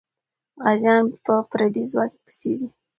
غازيان په پردي ځواک پسې ځي.